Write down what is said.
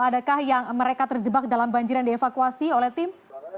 adakah yang mereka terjebak dalam banjir yang dievakuasi oleh tim